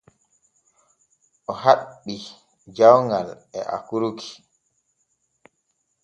O haɓɓi jawŋal e akurki.